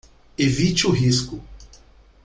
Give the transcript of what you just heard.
Evite o risco